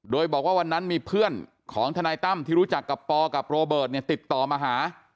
โดยบอกว่าวันนั้นมีเพื่อนของทนายตั้มที่รู้จักกับปอกับโรเบิร์ตเนี่ยติดต่อมาหา